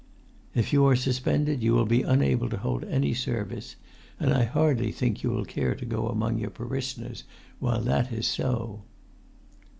"If you are suspended you will be unable to hold any service; and I hardly think you will care to go among your parishioners while that is so."